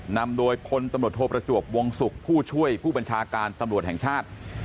นำโดยพลตำรวจโทประจวบวงศุกร์ผู้ช่วยผู้บัญชาการตำรวจแห่งชาติ